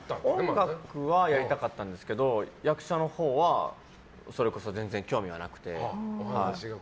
音楽はやりたかったんですけど役者のほうは全然、興味はなくて。